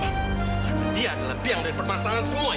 ya karena dia adalah piang dari permasalahan semua ini